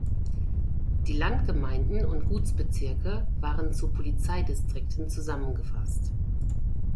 Die Landgemeinden und Gutsbezirke waren zu Polizeidistrikten zusammengefasst.